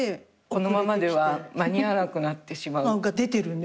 このままでは間に合わなくなってしまう。